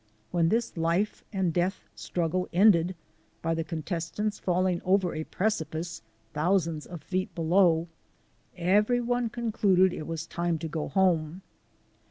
When this life and death struggle ended by the contestants falling over a precipice thousands of feet below, everyone concluded it was time to go home.